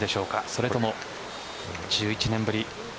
それとも１１年ぶり。